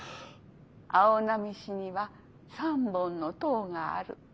「青波市には３本の塔がある」。